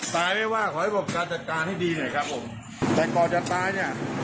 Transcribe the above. ตายไม่ว่าขอให้ระบบการจัดการให้ดีหน่อยครับผมแต่ก่อนจะตายเนี่ย